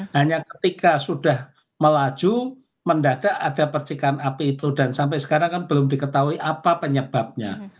hanya ketika sudah melaju mendadak ada percikan api itu dan sampai sekarang kan belum diketahui apa penyebabnya